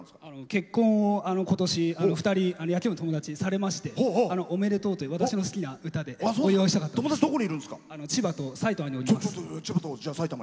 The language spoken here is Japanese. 結婚を今年、２人野球部の友達がされましておめでとうという私の好きな歌でお祝いしたかった。